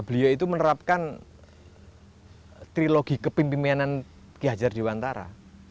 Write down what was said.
beliau itu menerapkan trilogi kepimpinan ki hajar dewantara